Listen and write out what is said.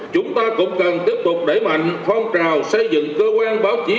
chúng ta cũng cần tiếp tục đẩy mạnh phong trào xây dựng cơ quan báo chí